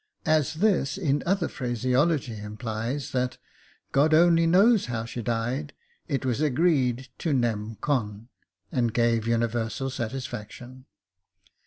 As this, in other phraseology, implies that *' God only knows how she died," it was agreed to nem. con.y and gave universal satisfaction.